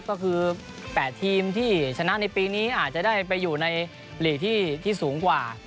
ก็คือ๘ทีมที่ชนะในปีนี้อาจจะได้ไปอยู่ในหลีกที่สูงกว่า